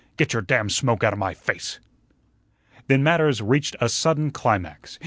Get your damn smoke outa my face." Then matters reached a sudden climax.